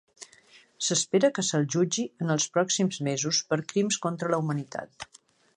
S'espera que se'l jutgi en els pròxims mesos per crims contra la humanitat.